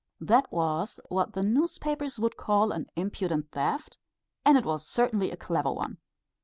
That was what the newspapers would call an impudent theft, and it was certainly a clever one.